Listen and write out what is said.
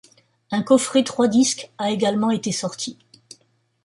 Un coffret trois disques a également été sorti.